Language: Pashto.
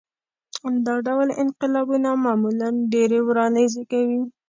دا ډول انقلابونه معمولاً ډېرې ورانۍ زېږوي.